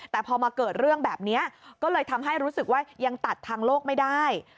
แต่พอมาเกิดเรื่องแบบนี้ก็เลยทำให้รู้สึกว่ายังตัดทางโลกไม่ได้